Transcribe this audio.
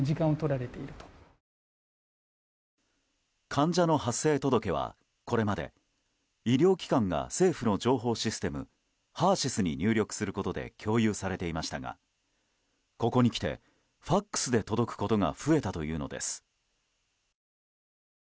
患者の発生届はこれまで、医療機関が政府の情報共有システムＨＥＲ‐ＳＹＳに入力することで共有されていましたがここに来てＦＡＸで届くことが増えたというのです。